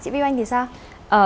chị viu anh thì sao